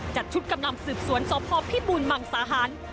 จัดชุดกำลังสืบสวนสพพิบูรมังสาหาร